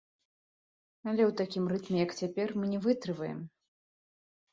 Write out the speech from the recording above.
Але ў такім рытме, як цяпер, мы не вытрываем.